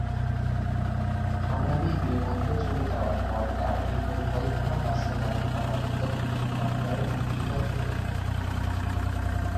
মাদানি দেওবন্দ চলে যাওয়ার পর তার এ পরিকল্পনা বাস্তবায়ন করার উদ্যোগ নেন ডাক্তার মুর্তজা চৌধুরী।